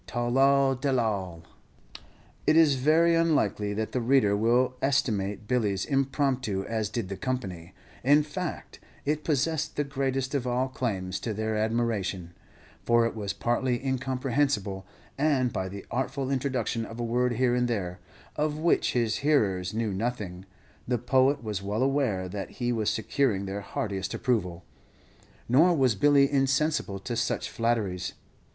Tol lol de lol, etc.'" It is very unlikely that the reader will estimate Billy's impromptu as did the company; in fact, it possessed the greatest of all claims to their admiration, for it was partly incomprehensible, and by the artful introduction of a word here and there, of which his hearers knew nothing, the poet was well aware that he was securing their heartiest approval. Nor was Billy insensible to such flatteries.